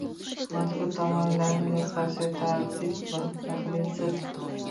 Mazkur tamoyillarni yoppasiga – tadqiq va tahlilsiz